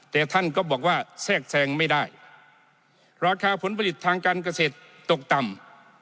แต่ท่านก็บอกว่าแทรกแทรงไม่ได้ราคาผลผลิตทางการเกษตรตกต่ำ